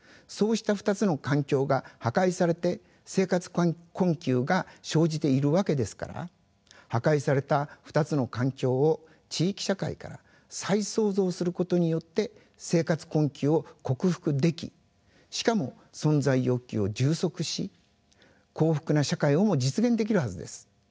そうした２つの環境が破壊されて生活困窮が生じているわけですから破壊された２つの環境を地域社会から再創造することによって生活困窮を克服できしかも存在欲求を充足し幸福な社会をも実現できるはずです。